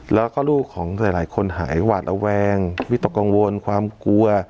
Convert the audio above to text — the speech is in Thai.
แล้วก็ลูกของหลายคนหายหวาดระแวงวิตกกังวลความกลัว